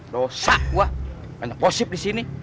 rosak gua banyak posip di sini